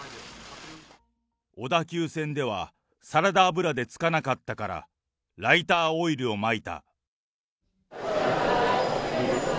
小田急線ではサラダ油でつかなかったから、ライターオイルをまいた。